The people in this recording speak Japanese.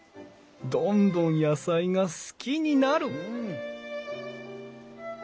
どんどん野菜が好きになる！